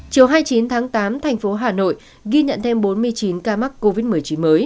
chiều hai mươi chín tháng tám thành phố hà nội ghi nhận thêm bốn mươi chín ca mắc covid một mươi chín mới